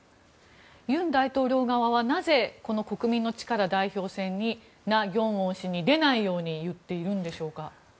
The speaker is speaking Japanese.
尹大統領側はなぜこの国民の力代表選にナ・ギョンウォン氏に出ないように言っているんでしょうか。